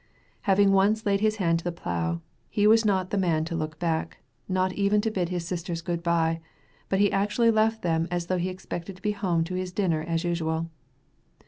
Having once laid his hand to the plough he was not the man to look back, not even to bid his sisters good bye, but he actually left them as though he expected to be home to his dinner as usual.